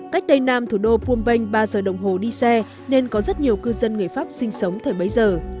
cách tây nam thủ đô phnom penh ba giờ đồng hồ đi xe nên có rất nhiều cư dân người pháp sinh sống thời bấy giờ